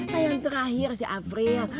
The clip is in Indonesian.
nah yang terakhir si april